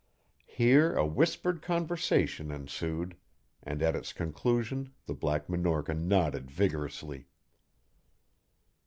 Here a whispered conversation ensued, and at its conclusion the Black Minorca nodded vigorously.